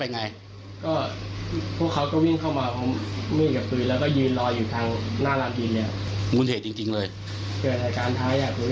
เกิดอาการท้ายอยากรู้จักหรือเปล่า